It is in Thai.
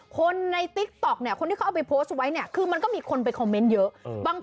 คนนี้สงสานมากมายแล้วนะ